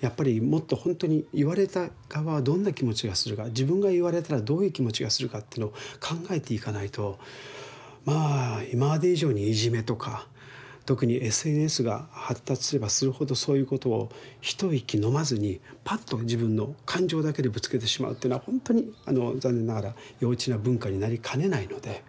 やっぱりもっと本当に言われた側はどんな気持ちがするか自分が言われたらどういう気持ちがするかっていうのを考えていかないとまあ今まで以上にいじめとか特にＳＮＳが発達すればするほどそういうことを一息飲まずにパッと自分の感情だけでぶつけてしまうっていうのは本当に残念ながら幼稚な文化になりかねないので。